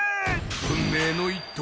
運命の一投